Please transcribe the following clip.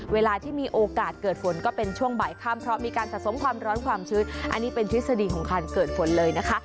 เวลาที่มีโอกาสเกิดฝนก็เป็นช่วงบ่ายค่ำเพราะมีการสะสมความร้อนความชื้นอันนี้เป็นทฤษฎีของการเกิดฝนเลยนะคะ